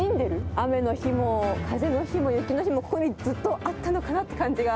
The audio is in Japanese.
雨の日も、風の日も、雪の日もここにずっとあったのかなって感じが。